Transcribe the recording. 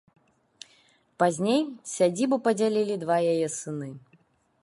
Пазней сядзібу падзялілі два яе сыны.